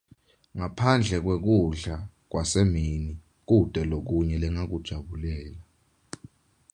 Ngaphandle kwekudla kwasemini kute nakunye lengakujabulela.